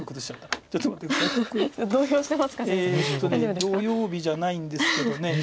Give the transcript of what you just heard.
土曜日じゃないんですけど。